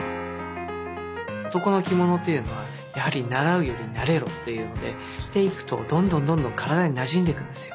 男の着物っていうのはやはり習うより慣れろっていうので着ていくとどんどんどんどん体になじんでいくんですよ。